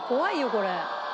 これ。